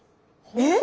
えっ？